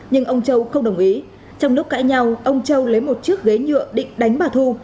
nhưng ông châu không đồng ý trong lúc cãi nhau ông châu lấy một chiếc ghế nhựa định đánh bà thu